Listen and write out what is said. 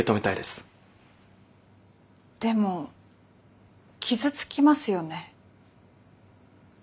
でも傷つきますよね。